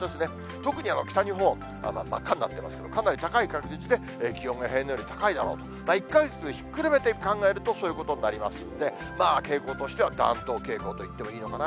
特に北日本、真っ赤になっていますが、かなり高い確率で気温が平年より高いだろうと、１か月ひっくるめて考えると、そういうことになりますんで、傾向としては暖冬傾向といってもいいのかな。